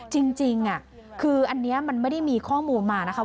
จริงคืออันนี้มันไม่ได้มีข้อมูลมานะคะ